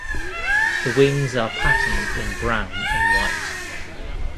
The wings are patterned in brown and white.